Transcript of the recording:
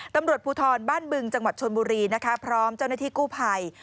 ตำรวจภูทรบ้านบึงจังหวัดชนบุรีนะคะพร้อมเจ้าหน้าที่กู้ภัย